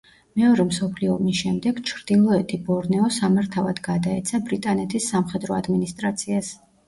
მეორე მსოფლიო ომის შემდეგ ჩრდილოეთი ბორნეო სამართავად გადაეცა ბრიტანეთის სამხედრო ადმინისტრაციას.